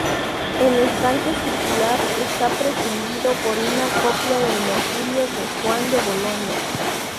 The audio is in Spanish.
El estanque circular está presidido por una copia del Mercurio de Juan de Bolonia.